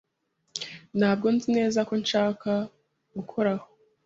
Ntabwo nzi neza ko nshaka gukoraho.